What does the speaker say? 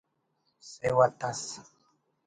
سیوت ئس